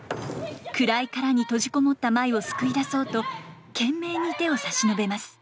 暗い殻に閉じ籠もった舞を救い出そうと懸命に手を差し伸べます。